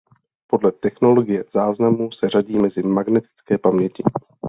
Podle technologie záznamu se řadí mezi magnetické paměti.